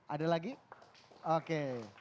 ada lagi oke